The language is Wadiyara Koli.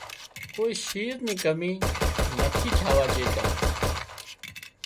ڪوئي شيز نِي ڪمي نٿي ٿاوا ڄيتان